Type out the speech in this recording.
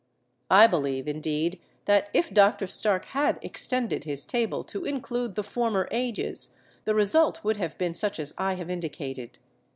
I believe, indeed, that if Dr. Stark had extended his table to include the former ages, the result would have been such as I have indicated.